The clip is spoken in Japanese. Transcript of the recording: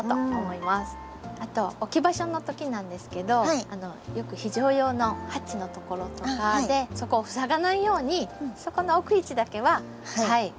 あと置き場所の時なんですけどよく非常用のハッチのところとかそこを塞がないようにそこの置く位置だけは気をつけて。